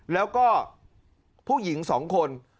แล้วก็ผู้หญิง๒คน